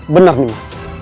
benar nih mas